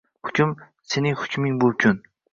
Hukm — sening hukming bu kun